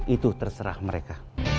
itu terserah mereka